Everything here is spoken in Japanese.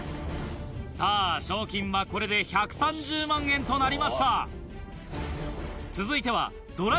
さぁ賞金はこれで１３０万円となりました。